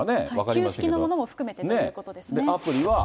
旧式のものも含めてということですね。